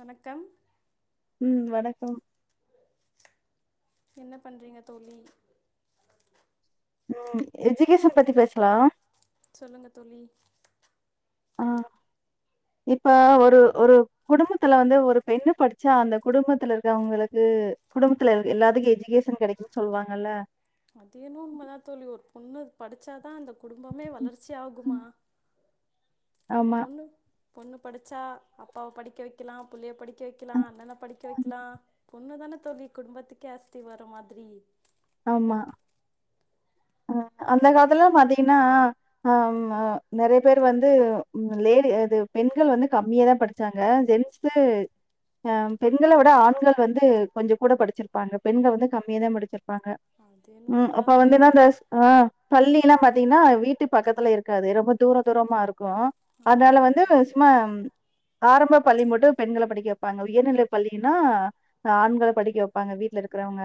வணக்கம் உம் வணக்கம் என்ன பண்றீங்க தோழி ம் எஜகேஷன் பத்தி பேசலாம் சொல்லுங்க தோழி ஆ இப்ப ஒரு ஒரு குடுபத்துல வந்து ஒரு பெண்ணு படிச்சா அந்த குடும்பத்துல இருக்கவங்களுக்கு குடும்பத்துல இரு எல்லாத்துக்கும் எஜுகேஷன் கெடைக்குமுனு சொல்லுவாங்கல்ல அதுஎன்னவோ உன்மதான் தோழி ஒரு பொண்ணு படிச்சாதான் அந்த குடும்பமே வளர்ச்சி ஆகுமா ஒரு ஆமா. பொண்ணு பொண்ணு படிச்சா அப்பாவ படிக்க வைக்கலாம் புள்ளைய படிக்க வைக்கலாம் அண்ணனை படிக்க வைக்கலாம் பொண்ணு தானே தோழி குடும்பத்துக்கே அஸ்தி வரம் மாதிரி ஆமா ஹ அந்த காலத்துல பாத்தீங்கன்னா அஹ நெறைய பேர் வந்துலெடி அது பெண்கள் வந்து கம்மியேதான் படிச்சாங்க ஜென்ஸ் அஹ் பெண்களை விட ஆண்கள் வந்து கொஞ்சம் கூட படிச்சிருப்பாங்க பெண்கள் வந்து கம்மியேதான் படிச்சிருப்பாங்க பாஹ அது என்ன உம் அப்ப உண்மைதான் தோழி வந்துனா அந்த ஆஹ் பள்ளி பாத்தீங்கன்னா வீட்டு பக்கத்துல இருக்காது ரொம்ப தூர தூரமா இருக்கும் இருக்கும் அதனால ஆமாம் வந்து ஆமாம் சும்மா ஆரம்ப பள்ளி மட்டும் பெண்களை படிக்க வைப்பாங்க உயர்நிலை பள்ளி நா ஆண்களை படிக்க வைப்பாங்க வீடல இருக்கிறவங்க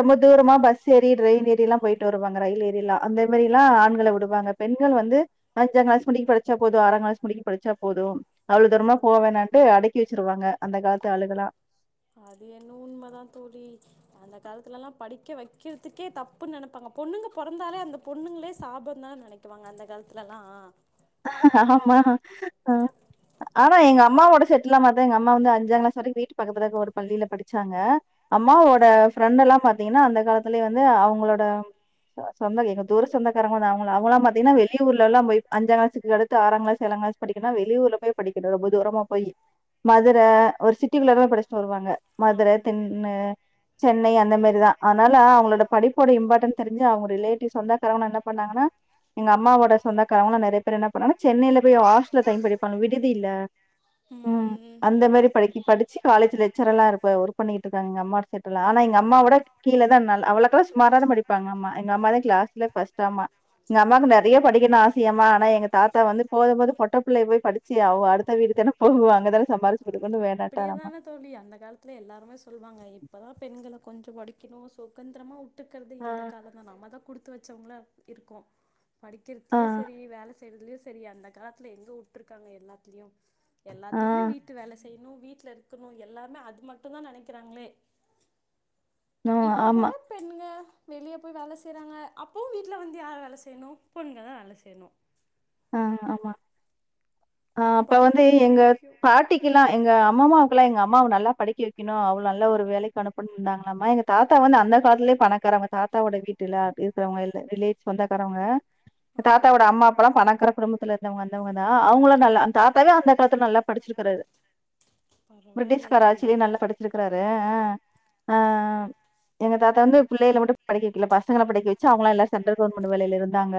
ரொம்ப தூரமா பஸ் ஏரி ரெயில் ஏரிய எல்லாம் போயிட்டு வருவாங்க ரயில் ஏரியிலா அந்த மாதிரிலாம் ஆண்களை விடுவாங்க பெண்கள் வந்து அஞ்சாம் கிளாஸ் முடிக்க படிச்சா போதும் ஆறாம் கிளாஸ் முடிக்கும் படிச்சா போதும் அவ்வளவு தூரமா அது போவோனாட்டு அடைக்க பிரிச்சிடுவாங்க அது என்னு உண்மைதான் தோழி அந்த அ க்காலத்துல எல்லாம் படிக்க வைக்கிறதுக்கே தப்புன்னு நினைப்பாங்க பொண்ணுங்க பிறந்தாலே அந்த பொண்ணுங்களே சாபம் தான்னு நினைக்குவாங்க அந்த காலத்துலல்லாம் ஆமா ஆ ஆனான் எங்க அம்மோட செட்டல்ல மாத்தான் எ அமா வந்து அஞ்சாம் கிளாஸ் வரைக்கும் வீட்டு பக்கத்துக்க ஒரு பள்ளியில படிச்சாங்க அம்மாவோட அப்டிங்களா ஃப்ரெண்ட எல்லாம் பாத்தீங்கன்னா அந்த காலத்துலயே வந்து அவங்களோட சொந்த எங்க தூர சொந்தக்காரங்கள தான்ங்களெல்லாம் அவங்களல்லாம் பாத்தீங்கன்னா வெளியூர்ல எல்லாம் போய் அஞ்சாங்க க்கு அடு ஆாம்கிலாஸ் ஏழாம்ங்கிலாஸ் படிக்கனுனா வெளூர்ல போய்படிக்கணும் ரொம்ப தூரமா போய் மதுர ஒரு சிட்டிக்குள்ளாம் படிச்சுட்டு வருவாங்க ஆம் மதுர தென்ன சென்னை அந்த மாரிதான் அதனால அவங்களோட படிப்போட இம்பார்ட்டன்ஸ் தெரி்ச்சிஅவங்க ரிலேட்டிவ்ஸ் சொந்தக்காரலாம் என்ன பண்ணாங்கன்னா எங்க அம்மாவோட சொந்தக்காரவங்களாம் என்ன பா சென்னையில போய் ஹாஸ்டல்ல படிப்பா விடுதி இல்ல உம் ம் அந்த மாரி படிச்சு காலேஜ் லச்சரல ஒர்க் பண்ணிட்டுக்காங்க எங்க அம்மா ஆனா எங்க அம்மாவோட கீழோன் அவக்கொம் சுமார தான் படிப்பாங்க அமா எ அம்மாான் கிளாஸ் ஆம்மா எங்க அம்மாவுக்கு பா நிறைய படிக்கணும் ஆசையமா ஆனா எங்க தாத்தா வந்து போதும்போது பொட்ட பிள்ளைய போய் படிச்சு ஆகும் அடுத்த வீட்டு தான போகும் அங்கதானே சம்பாரிச்சு கொடுக்கனும்னு வேநான்டாரமா அப்டியேதான தோழி அந்த காலத்துல படிக்கணும் சுகந்திரமா பாதுக்கிறது ஆ. இந்த கால தான் நம்ம தான் குடுத்து வச்சவங்களா இருக்கும் ஆ, படிக்கிறதுலயும் சரி வேலச் செய்றதுலையும் சரி அந்த காலத்துல எங்க விட்டுருக்காங்க எல்லாத்துலயும் ஆ, எல்லாத்தையுமே வீட்டு வேல செய்யணும் வீட்ல இருக்கணும் எல்லாமே அது மட்டும் தான் நினைக்கிறாங்களே நோ இப்போ ஆமா. கூட பெண்ங்க வெளியே போய் வேலை செய்றாங்க அப்போ வீட்ல வீட்டல வந்து யார் வேல செய்யணும் பொண்ணுக தான் வேல செய்யணும் ஆஹ ஆமா ஆஹ அப்ப படிப்பு வந்து ரொம்ப எங்க முக்கியோ பாட்டிக்கு எல்லாம் எங்க அம்மம்மாவுக்கெல்லாம் எங்க அம்மாவ நல்லா படிக்க வைக்கணும் அவ்ளே நல்ல ஒரு வேலைக்கு அனுப்பனும் இருந்தாங்களாம் எங்க தாத்தா வந்து அந்த காலத்துலயே பணக்காரவங்க தாத்தாவோட வீட்டு இருக்கிறவங்கிலேவ சோந்தக்காரவங்க ஆ தாத்தாவோட அம்மா அப்பால்லாம் பணக்கா விடுல இருந்து வந்தவங்க தான் அவங்கள நல்ல தாத்தா அந்த காலத்துல நல்லா படிச்சிருக்கறாரு பரவாயில்லையே பிரிட்டிஷ்காரா தோழி ஆச்சுலே நல்லா படிச்சிருக்காரு ஆஹ எங்க தாத்தா வந்து பிள்ளைல மட்டும் படிக்க வைக்கல பசங்கள படிக்க வச்சு அவங்களாம் எல்லாம் சென்ட்ரல் கவர்மெண்ட் வேலையில இருந்தாங்க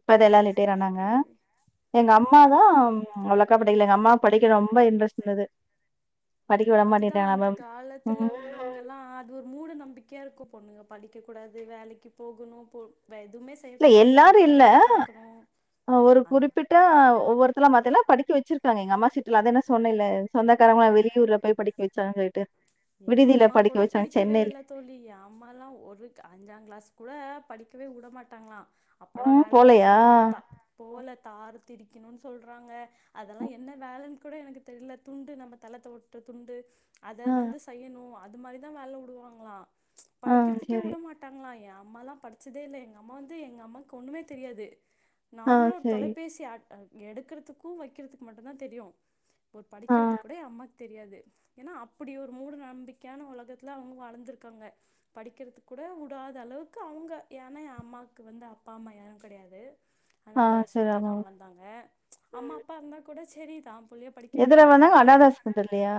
இப்ப எல்லாம் செரி செரி ரிட்டோர்ரானாங்க செரி எங்க அம்மா தான் உலக்கா படையில எங்க அம்மா படிக்க ரொம்ப இன்ரெஸ்ட் இருந்தது படிக்க விட அதுதான் மாட்டேன்டாங்களா அந்த மேம்? காலத்துல ம். உள்ளவங்க எல்லாம் அது ஒரு மூட நம்பிக்கையா இருக்கும் பொண்ணுங்க படிக்க கூடாது வேலைக்கு போகணும் போ எதுவுமே இல்ல செய்யக்கூடாது எல்லாரும் வீட்டு இல்ல வேலையதா பாக்கணு ஒரு அந்த குறிப்பிட்ட ஒவ்வொருத்தல மாத்தல்ல படிக்க வச்சிருக்காங்க எங்க அம்மா அத நான் சொன்ன இல்ல சொந்தக்காரவங்கள வெளியூர்ல போய படிக்க வச்சு சங்கேட்டு என் அம்மா கூட படிக்கவே இல்ல தோழி என் அம்மா எலாம் ஒரு அஞ்சாங் கிளாஸ் கூட படிக்கவே வுடமாட்டாங்களா அப்பல்லாம் ம் வேலைதான் போலையா? செய்யணும் த போல தார திரிக்கணும்னு சொல்றாங்க அதெல்லாம் என்ன வேலைன்னு கூட எனக்கு தெரியல துண்டு நம்ம தலத்தோவற்ற துண்டு அத அ, வந்து செய் அது மாதிரிதான் வேலை விடுவாங்களா ஆ, படிக்கிறதுக்கே சரி. உடமாட்டாங்களா யா அம்மாலா படிச்சதே இல் எங்க அம்மா வந்து எங்க அம்மாக்கு ஒண்ணுமே தெரியாது ஆ, நார்மலா ஒரு சரி. தொலைபேசி ஆட் எடுக்கறதுக்கும் வைக்கிறதுக்கு மட்டும்தான் தெரியும் ஆ, படிக்கிறது கூட அம்மா தெரியாது ஏன்னா அப்படிய ஒரு ஒரு மூட நம்பிக்கையான உலகத்தில் அவங்க வளர்ந்துருக்காங்க படிக்கிறது கூட விடாத அளவுக்கு அவங்க ஏன்னா என் அம்மாவுக்கு வந்து அப்பா அம்மா யாரும் கிடையாது ஆ, ஆனாத சரி. ஆசிரமத்துல ஆமா. தான் வளர்ந்தாங்க அம்மா அப்பா இருந்தா கூட செரிதா நல்ல படிக்க எதுல வைக்கலாம் வந்தாங்க? நினைப்பாங்க அனாதை ஆஸ்பத்திரிலயா?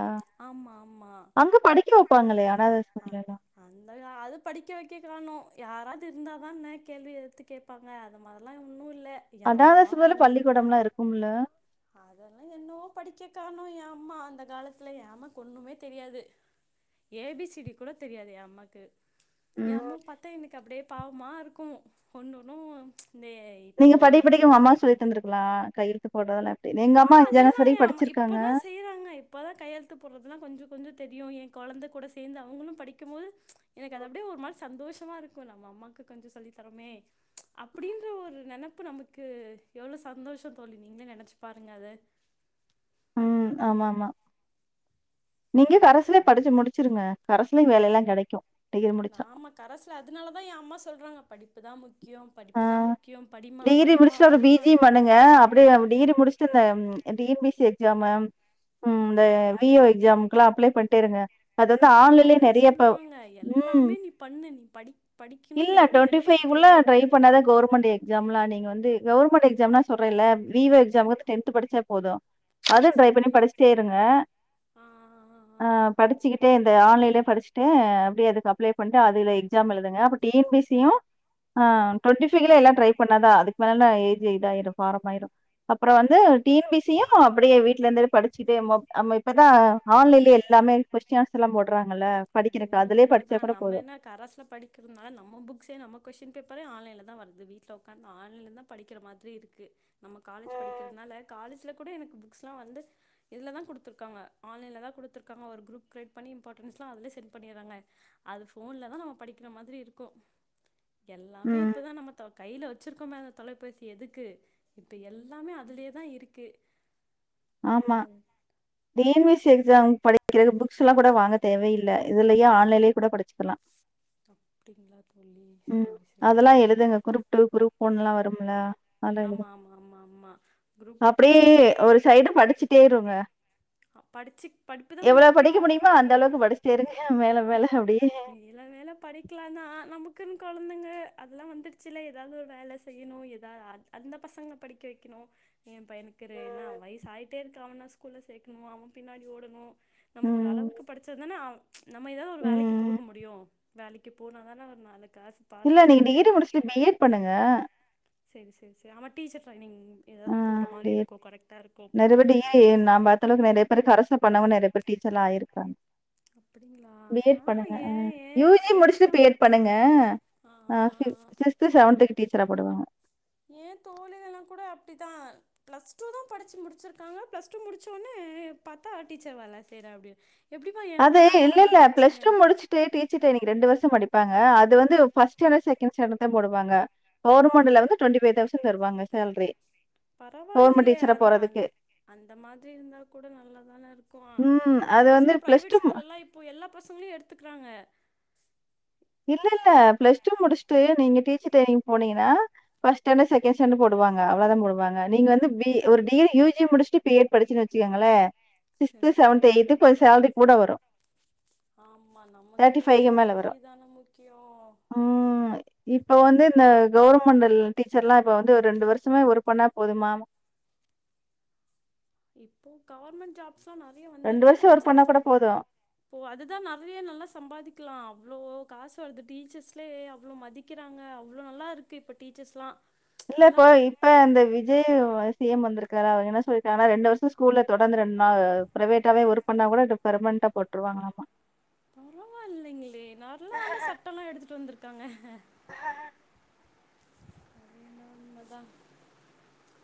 ஆம் ஆம்மா அங்க படிக்க வைப்பாங்களல்லே அனாத அசிரமம் அந்த அது படிக்க வைக்க காணும் யாராவது இருந்த தான் கேள்வி எடுத்து கேட்பாங்க அது மாதிரல்லாம் ஓன்னும் இல்ல என் அனாதை அம்மாவா அப்பா ஆஸ்பத்திரில உளுந்து பள்ளிக்கூடம்லாம் இருக்கும்ல? அதெல்லாம் என்னோ படிக்கக்காரணம் ஏம்மா அந்த காலத்துல ஏமா கொண்ணுமே தெரியாது ஏபிசிடி கூட தெரியாது என் அம்மாக்கு ம். என்ம்மு பத்தேன் இன்னைக்கு அப்படியே பாவமா இருக்கும் ஒண்டுணும் ச் நீங்க படி படிக்க உங்க அம்மாவ சொல்லி தந்திருக்கலாம் கையழுத்து போடல ஆஹ் அதெல்லாம் இப்பதான் செய்யறாங்க இப்பதான் கையெழுத்து போடுறதல்லாம் கொஞ்சம் கொஞ்சம் தெரியும் என் குழந்தை கூட சேர்ந்து அவங்களும் படிக்கும்போது எனக்கு அதுபடியே ஒரு விதத்ல சந்தோஷமா இருக்கு நம்ம அம்மாக்கு கொஞ்சம் சொல்லி தரோமே அப்படின்ற ஒரு நினைப்பு நமக்கு எவ்வளவு சந்தோஷம் தோல்லி நீங்களே நினைச்சு [unintelligible] ம். ஆமா ஆமா அந்த நீங்க அரசுலே காலத்துல படிச்சு முடிச்சுிருங்க கசுலயையும் வேலைய எல்லாம் கிடைக்கும் ம் நாம கரசுல அதனாலதான் என் அம்மா சொல்றாங்க படிப்பு இதான் முக்கியம் ஆ படிப்பு தான் முக்கியம் படிம்மா டிகிரி படிம்மா முடிச்சுட்டு ஒரு படிம்மா பிஜி பண்ணுங்க அப்படியே டிகிரி முடிச்சுட்டு இந்த டிஎன்பிசி எக்ஸாம் உம் இந்த விஎஒ எக்ஸாமாம் அப்ளை பண்ணிட்டேங்க இருங்க அது‌ வந்து என் அம்மா ஆன்லை அப்படிதான் நேரிய சொல்லுவாங்க உம் எல்லாமே நீ பண்ணு நீ படி படிக்கணும்னு இல்ல எவ்வளோ டொன்டிஃபை எல்லைக்கு உள்ள போறியோ டிரை பண்ணாத கமெண்ட் எலாம் நீங்க வந்து கவர்மெண்ட் எக்ஸாம் எாம் சொல்றே இல விஓ எக்ஸாம் டென்த் படிச்சா போதும் அது சரி ட்ரை சரி பண்ணி படிச்சிட்டே இருங்க ஆ ஆ படிச்சுக்கிட்டே இந் இது ஆன்லைலயே படிச்சுட்டு அப்டியே இதுக்கு அப்ளை பண்ணிட்டு அதுல எக்ஸாம் எழுதுங்க அப்ப T N P S C யு ஆ டுவெண்டி ஃபைவ்லயே எல்லா ட்ரை பண்ணாதா அதுக்கு மேல ஏஜ் இதா ஆயிரு ப்ராப்ளம் ஆயிரு அப்றோ வந்து T N P S C யு அப்டியே வீட் ட்ல இருந்தாலு படிச்சுக்குட்டே நம்மோ நம்ம இப்பதா ஆன்லைன்லயே எல்லாமே கொஸ்டின் ஆன்சர் எல்லாம் போடுறாங்க அது என்னவோ உண்மைதா நம்ம என்ன கரஸ்ல படிக்கிறதுனால நம்ம புக்ஸே நம்ம கொஸ்டின் பே இப்பவே ஆன்லைன்லதா வருது வீட்ல உக்காந்து ஆன்லைன்லதா படிக்கிற மாதிரி இருக்கு நம்ம காலேஜ் படிக்கிறதுனால காலேஜ்ல கூட எனக்கு பு க்ஸ்லா வந்து இதுலதா குடுத்துருக்காங்க ஆன்லைன்லதா குடுத்திருக்காங்க ஒரு குரூப் கிரியேட் பண்ணி இம்பார்ட்டன்ஸ் ல்லா அதுலயே சென்ட் பண்ணியர்றாங்க அது ஃபோன்லதா நம்ம படிக்கிற மாதிரி இருக்கு ம். எல்லாமே ம். இப்பதா நம்ம [unintelligible] கைல வச் வச்சிருக்கோமே அந்த தொலைபேசி எதுக்கு இப்ப எல்லாமே அதுலயேதா இருக்கு ஆமா அத [unintelligible] ட்டு எக்ஸாம் படிக்கிறதுக்கு புக்ஸ் எல்லா கூட வாங்க தேவையில்ல இதுலயே ஆன்லைன்லயே கூட படிச்சுக்கலா அப்டிங்களா தோழி செரி செரி செரி பொண்ணுல்லாம் வரும்ல அதெல்லாம் ஆமா எழுதுங்க. ஆமா ஆமா ஆமா குரூப் டூ அப்படியே ஒரு சைடு படிச்சுட்டே இருங்க படிச்சு படிப்பு தான் எவ்வளவு படிக்க முக்கியம் முடியுமோ அந்த அளவுக்கு படிச்சிட்டே இருங்க மேல மேல அப்டியே க்குன்னு கொழந்தைங்க அதெல்லா வந்துடுச்சுல ஏதாவது ஒரு வேலை செய்யணு ஏதாவது ஆ அந்த பசங்களை படிக்க வைக்கணும் ஏன் பையனுக்கு ஒரு என்னா ம். வயசு ஆயிட்டே இருக்கு அவன ஸ்கூல்ல சேக் இரும் அவன் பின்னாடி ஓடங்கும் நம்ம ஒரு ம், அளவுக்கு படிச்சா தானே நம்ம ஏதாவது ஒரு வேலைக்கு ம். போக முடியும் வேலைக்கு போனா அதனா ஒரு நாளைக் இல்ல நீங்க டிகிரி முடிச்சுட்டு பிஎட் பண்ணுங்க செ அவ டீச்சர் ட்ரைனிங் ஏதாவது ஆஹ் போற மாதிரி [unintelligible] இருக்கும் கரெக்டா இருக்கும் நெறையபடி நா பாத்த அளவுக்கு நெறையா பேரு கரஸ்ல பண்ணவங்க நெறைய பேர் டீச்சர்லா ஆயிருக்கறாங்க அப்டிங்களா பி எட் ஆமா பண்ணுங்க ஏ ஆ ஏ யூ ஜி முடிச்சிட்டு ஃப்ரெண்ட்ஸ்லா பி எட் பண்ணுங்க ஆ ஃபிஃப் சிக்ஸ்த்து செவன்த்துக்கு டீச் [unintelligible] போடுவாங்க ஏன் தோழிகள்லா கூட அப்டிதா பிளஸ் டூ தா படிச்சு முடிச்சிருக்காங்க பிளஸ் டூ முடிச்சவுட்னே பாத்தா டீச்சர் வேல செய்ற அப்டினா அது இல்ல இல்ல பிளஸ் டூ முடிச்சுட்டு டீச்சர் ட்ரைனிங் ரெண்டு வருஷோ படிப் ப்பாங்க அது வந்து ஃபர்ஸ்ட் ஸ்டாண்டர்டு செகண்ட் ஸ்டாண்டர்டுக்குதா போடுவாங்க கவர்மெண்ட்ல வந்து டுவெண்டி ஃபைவ் தௌசண்ட் தருவாங்க சேல்ரி பரவாயில்லையே அந்த அந்த மாதிரி இருந்தா கூட நல்லாதானே இருக்கும் ம் அது சின்ன வந்து சின்ன பிளஸ் பிரைவேட் ஸ்கூல்ல இப்போ எல்லா பசங்களையு எடுத்துக்கிறாங்க இல்ல இல்ல பிளஸ் டூ முடிச்சுட்டு நீங்கடீச்சர் டிரரைனிங் போனீங்கன்னாஃபஸ்டஸ்டாண்டர்ட் செகண்ட் ஸ்டாண்ட்ட் போவாங்க அவ்வளவுதான் போடுவாங்க நீங்க வந்து பி ஒரு டிகிரி யூஜி முடிச்சுட்டு பிஎட் படிச்சு வச்சுக்கோங்களே [unintelligible] சிக்ஸ்த் சரி சரி செவன்த் எய்த் பிளஸ் சேலரி கூட வரும் ஆமா தேட்டி நமக்கு ஃபய் எம்எல் சேல்ரி வரும் தான முக்கியோ ம் இப்போ ஒன் இந்த கவுவர்மெண்ட் டீச்சர் எல்லா இப்ப வந்து ஒரு ரெண்டு வருஷமே ஒர்க் பண்ணா போதுமாம் இப்போ கவர்மென்் ஜாப் ந வருஷம் ஒர்க் பண்ணா வந்துச்சுச்சர்ல கூட போதும். அதுதான் நிறைய நல்லா சம்பாதிக்கலாம் [unintelligible] அவ்ளோ காசு வருது டீச்சர்ஸ்லயே அவ்வளோ மதிக்கிறாங்க அவ்வளோ நல்லா இருக்கு இப்ப டீச்சர்ஸ் எல்லாம் [unintelligible] இல்லப்பா இப்ப அந்த விஜய் வசியம் வந்துக் அவ என்ன சொல்லா ஆனா ரெண்டு வருஷம் ஸ்கூல தொடர்ந்து ரெண்டு நாள் பிரைவேட்டாவே ஒர்க் பண்ணா கூட பெர்மன்ண்டா போட்டுருவாங்களாமா [unintelligible] பரவா இல்லைங்களே நல்ல ல்ல சட்ட எல்லா எடுத்துட்டு வந்திருக் கங்க [inaudible] ண்மைதான்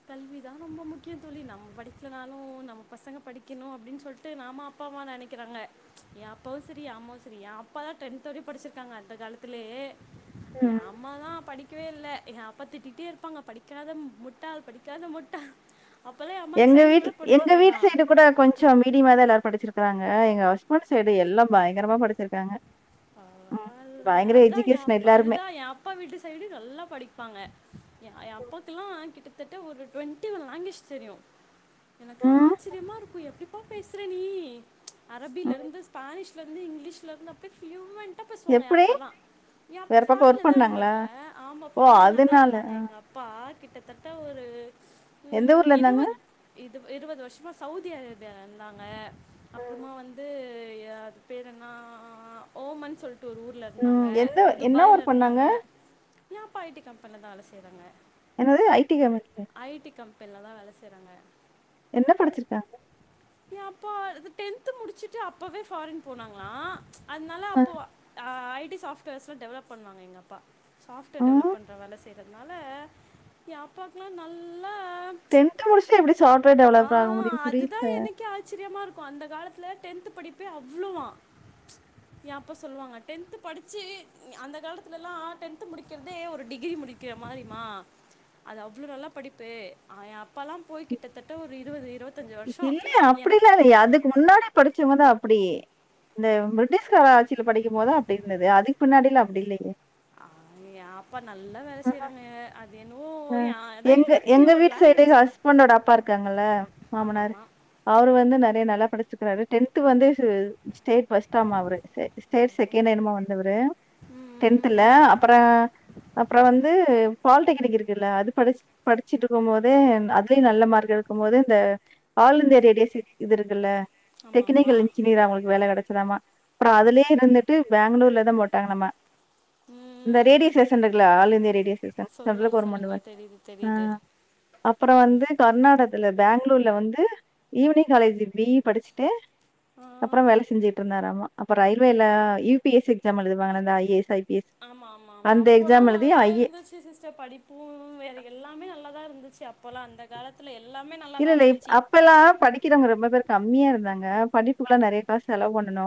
கல்விதான் ரொம்ப முக்கியம் தோழி நம்ம படிக்கலனாலும் நம்ம பசங்க படிக்கணும் அப்படின்னு சொல்லிட்டு நாம அப்பா அம்மா நினைக்கிறாங்க என் அப்பாவும் சரி அமாவும் சரி என் அப்பாாதான் டென்தோட படிச்சிருக்காங்க அந்த காலத்துிலயே [unintelligible] எய ம். அம்மாதா படி படிக்கவே இல்ல என் அப்பா திட்டிட்டே இருப்பாங்க படிக்காத முட்டள் படிக்காத முட்டாள் அப்போல்லா என் அம்மாக்கு எங்க சைன் வீட கூட போட எங்க வீட்டு தெரியாதா சைடு கூட கொஞ்சம் மீடியமா தான் எல்லாரும் படிச்சிருக்க [unintelligible] இருக்கிறாங்க எங்க ஹஸ்பட்டு சைடு எல்லா பயங்கரமா படிச்சிருக்காங்க ம். அவ பயங்கர அதான் என் எஜுகேஷன் அப்பா எல்லாருமே. அதுதான் என் அப்பா வீட்டு சைடு நல்லா படிப்பாங்க என் என் அப்பாக்குல்லாம் கிட்ட [unintelligible] கிட்டத்தட்ட டொன்டீ லாங்குவேஜ் தெரியு எனக்குகெல்லா ம். ஆச்சரியமா இருக்கு எப்பிடி ப்ப பேசுறே நீ அரபில ம். இருந்து ஸ்பானிஷ்ல இருந்து இங்கிலீஷ்ல இருந்து அப்ப ஹியூமன் கட்டை பேசுவாங்க என் எப்படி? அப்பல்லாம் என் அப்பா வேற பக்கம் ஃபாரில ஒர்க் தான் பண்ணாங்களா? இருந்தாங்க ஆமா ஓ! ஃபாரின்ில தான் அதனால. இருந்தாங்க அ. எங்கள் அப்பா [unintelligible] கிட்டத்தட்ட ஒரு எந்த ம் ஊர்ல இருந்தாங்க? இருவது இ இருவது வருஷமா சவுதி இத்தி அரேபியாவில இருந்தாங்க அப்புறமா வந்து இது யார் பேர் என்னா ஓ மன் சொல்லிட் ஒரு ஊர்ல இருந்தாங்க ம். எந்த என்ன துபாயில ஒர்க் பண்ணாங்க? இருந்தாங்க ஏாப்பா ஐடி கம்பெனியில தான் வெலச என்னது ஐடி கம்பெனி இப்ப எல்லா தான் வேலை செய்றாங்க என்ன படிச்சிருக்காங்க எங்ப்பா டென்து முடிச்சுட்டு அப்பவே ஃபாரின் போனாங்களா அதனால அ. அப்போ அய்ட் ட்டி சாஃப்ட்வேர்ஸ் எல்லா டெவலப் பண்ணுவாங்க எங்கப்பா சாஃப்ட்வேர் ம். டெவலப் பண்ற வேல இதுனால என் அப்பாக்கலாம் நல்ல டென்த் முடிச்சுட்டு எப்டி சாஃப்ட்வேர் டெவலப்பர் ஆக முடியு புரியல க்கே ஆச்சரியமா இருக்கு அந்த காலத்துல டென்த் படிப்பே அவ்ளோவா ஏன் அப்பா சொல்வாங்க டென்த் படிச்சி அந்த காலத்துல எல்லா டென்த் முடிக்கிறதே ஒரு டிகிரி முடிக்கிற மாரிம்மா அது அவ்ளோ நல்ல படிப்பு ஆ [unintelligible] அப்பாலாம் போய் கிட்டத்தட்ட ஒரு இருபது இருபத் த்தஞ்சு வருஷோ அப்டில்லா இல்ல அதுக்கு முன்னாடி படிச்சவங்கதா அப்டி இந்த பிரிட்டிஷ்கார ஆட்சியில படிக்கும் போதுதான் அப்படி இருந்தது அதுக்கு முன்னாடியில அப்படி இல்லையே ஆ ஏன் அப்பா நல்லா வேல செய்யறாங்க அது என்னவோ எ அஹ் அதா எங்க இருவத்தி எங்க ஒரு வீட்டு சைடு லாங்குவேஜ் எங்க ஹஸ்பண்டோட அப்பா இருக்காங்கல்ல மாமனார் ஆமாமா அவரு வந்து நெறைய நல்லா படிச்சுருக்கிறாரு டென்த் வந்து சு ஸ்டேட் ஃபஸ்ட்டாமா அவரு ஸே ஸ்டேட் செகண்டோ என்னமோ வந்தவரு ம் ம் ம் டென்த்துல ம் அப்ற அப்ற வந்து பாலிடெக்னிக் இருக் ல்ல அது படிச் படிச்சுட்டு இருக்கும் போதே அதுலயு நல்ல மார்க் எடுக்கும் போது இந்த ஆல் இந்தியா ரேடியோ சி இது இருக்குல்ல ஆமாமா டெக்னிக்கல் இன்ஜீனியரா அவங்களுக்கு வேலை கெடைச்சு தாமா அப்றோ அதுலயே இருந்துட்டு பேங்ளூர்லதா போட்டாங்களாமா இந்த ரேடியோ ம் சேஷன் இருக்குல்ல ஆல் இந்தியா ரேடியோ சொல்லுங்க ஸ்டேஷன் [unintelligible] சொல்லுங்க பண்ணுவே தெரியுது ஆ தெரியுது அப்ற வந்து கர்நாடகத்துல ல்ல பேங்களூர்ல வந்து ஈவினிங் காலேஜ் பி இ படிச்சுட்டு ஆ அப்பற வேல செஞ்சுட்டு இருந்தாராமா அப்ப ரயில்வேல யூ பி எஸ் எக்ஸாம் எழுதுவாங்கல்ல இந்த ஐ ஏ எஸ் ஐ ஆமா ஆமா ஆமா அப்போலா நல்லா ஐஏ இருந்துச்சு சிஸ்டர் படிப்பு வேற எல்லாமே நல்லாதா இருந்தது அப்போல்லாம் அந்த காலத்தில் எல்ல இல்ல இல்ல இப் அப்ப எல்லா படிக்கிறவங்க ரொம்ப பேரு கம்மியா இருந்தாங்க படிப்புக்கல்லா நெறைய காசு செலவு பண்ணணு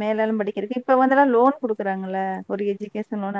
மேல எல்லா படிக்கிறதுக்கு இப்ப வந்தெல்லா லோன் குடுக்குறாங்கல்ல ஒரு எஜுகேஷன் லோன்